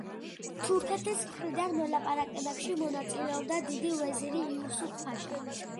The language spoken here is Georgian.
თურქეთის მხრიდან მოლაპარაკებებში მონაწილეობდა დიდი ვეზირი იუსუფ–ფაშა.